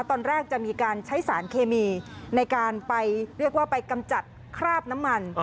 ตอนแรกจะมีการใช้สารเคมีในการไปเรียกว่าไปกำจัดคราบน้ำมัน